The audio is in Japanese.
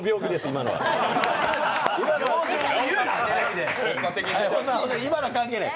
今のは関係ない。